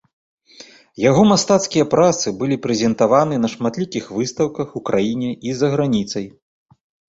Яго мастацкія працы былі прэзентаваны на шматлікіх выстаўках у краіне і за граніцай.